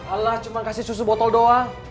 allah cuma kasih susu botol doang